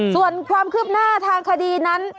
ส่วนความคืบหน้าทางคดีนั้น